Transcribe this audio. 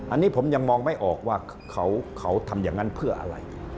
อันนี้ผมยังมองไม่ออกว่าเขาทำอย่างนั้นเพื่ออะไร